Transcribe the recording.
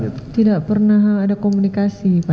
tidak pernah ada komunikasi pak